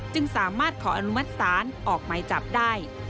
จึงสามารถขออนุมัติศาลออกหมายจับได้